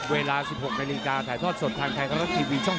เวลา๑๖นาฬิกาถ่ายทอดสดทางไทยรัฐทีวีช่อง๓